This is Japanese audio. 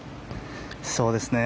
そうですね。